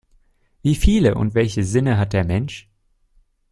Wie viele und welche Sinne hat der Mensch?